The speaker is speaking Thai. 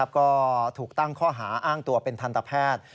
ก็ถูกตั้งข้อหาอ้างตัวเป็นทันตแพทย์